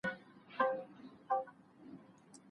ایا ډاکټره اوږده پاڼه ړنګه کړه؟